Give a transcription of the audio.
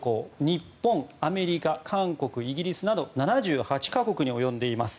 日本、アメリカ韓国、イギリスなど７８か国に及んでいます。